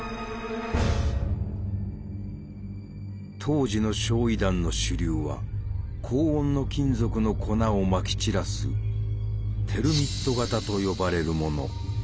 当時の焼夷弾の主流は高温の金属の粉をまき散らす「テルミット型」と呼ばれるもの。